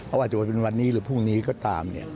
เขาอาจจะเป็นวันนี้หรือพรุ่งนี้ก็ตาม